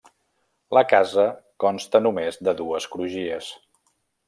La casa consta només de dues crugies.